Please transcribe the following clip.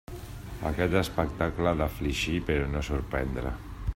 Aquest espectacle ha d'afligir, però no sorprendre.